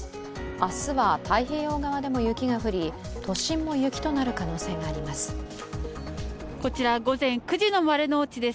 明日は太平洋側でも雪が降り都心も雪となる可能性があります。